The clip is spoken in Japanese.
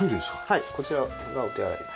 はいこちらがお手洗いです。